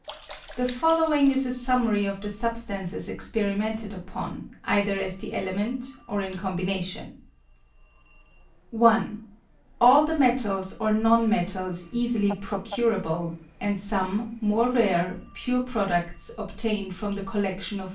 The following is a summary of the substances experi mented upon, either as the element or in combination :— 1. All the metals or non metals easily procurable, and some, more rare, pure produds obtained from the collec tion of M.